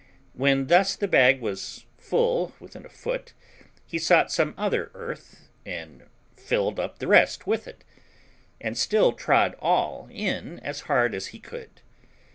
When thus the bag was full within a foot, he sought some other earth and filled up the rest with it, and still trod all in as hard as he could.